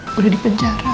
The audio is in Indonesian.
sudah di penjara